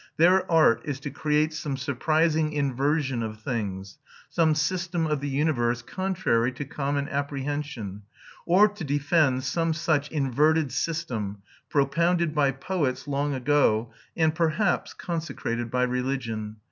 Their art is to create some surprising inversion of things, some system of the universe contrary to common apprehension, or to defend some such inverted system, propounded by poets long ago, and perhaps consecrated by religion.